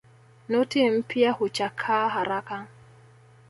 Noti mpya huchakaa haraka